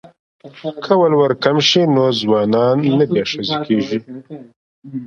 که ولور کم شي نو ځوانان نه بې ښځې کیږي.